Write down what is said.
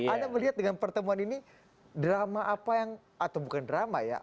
anda melihat dengan pertemuan ini drama apa yang atau bukan drama ya